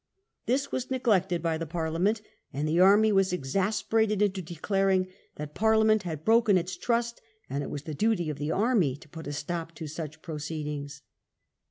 This was neglected by the Parlia ment, and the army was exasperated into declaring that Parliament had broken its trust and it was the duty of the army to put a stop to such proceedings.